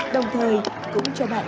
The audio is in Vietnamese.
đồng thời cũng cho bạn